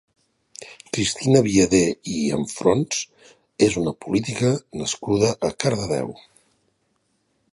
Cristina Viader i Anfrons és una política nascuda a Cardedeu.